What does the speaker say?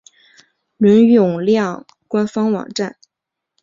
伦永亮官方网站